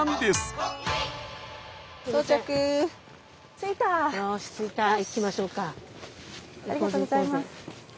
ありがとうございます。